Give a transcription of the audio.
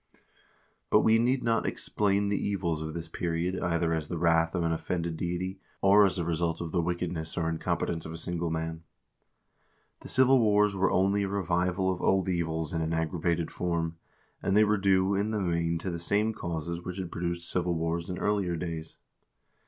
2 But we need not explain the evils of this period either as the wrath of an offended deity, or as the result of the wickedness or in competence of a single man. The civil wars were only a revival of old evils in an aggravated form, and they were due, in the main, to the same causes which had produced civil wars in earlier days.